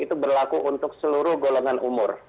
itu berlaku untuk seluruh golongan umur